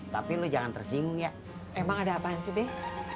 tapi lu jangan tersinggung ya emang ada apaan sih deh